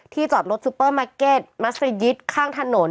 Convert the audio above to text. ที่จอดรถซุปเปอร์มาร์เก็ตมัสเตอร์ยิทธิ์ข้างถนน